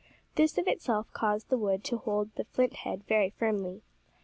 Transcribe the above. This of itself caused the wood to hold the flint head very firmly.